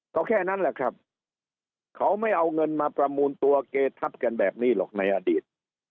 ก็แค่นั้นแหละครับเขาไม่เอาเงินมาประมูลตัวเกทับกันแบบนี้หรอกในอดีต